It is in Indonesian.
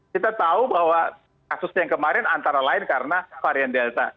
kita tahu bahwa kasus yang kemarin antara lain karena varian delta